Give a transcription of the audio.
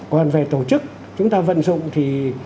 còn về tổ chức chúng ta vận dụng thì